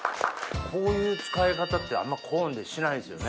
こういう使い方ってあんまコーンでしないですよね。